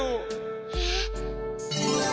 えっ。